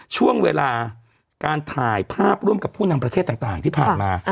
ช่วงเวลาการถ่ายภาพร่วมกับผู้นำประเทศต่างที่ผ่านมา